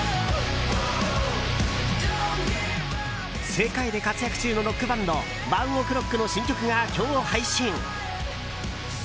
世界で活躍中のロックバンドＯＮＥＯＫＲＯＣＫの新曲が今日、配信！